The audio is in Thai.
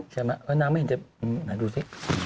ใช่ไหมนางไม่เห็นจะไหนดูสิ